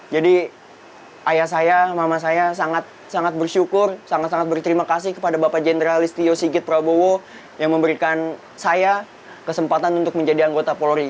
jadi ayah saya mama saya sangat sangat bersyukur sangat sangat berterima kasih kepada bapak jenderalist tio sigit prabowo yang memberikan saya kesempatan untuk menjadi anggota polri